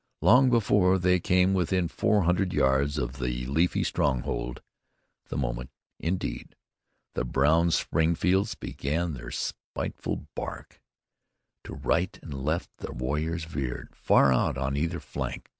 Long before they came within four hundred yards of the leafy stronghold, the moment, indeed, the brown Springfields began their spiteful bark, to right and left the warriors veered, far out on either flank.